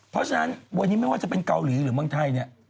เพราะฉะนั้นวันนี้ไม่ว่าจะเป็นเกาหลีหรือเมืองไทยเนี่ย